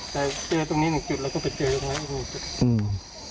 แต่เจอตรงนี้หนึ่งจุดแล้วก็ไปเจอตรงนี้หนึ่งจุด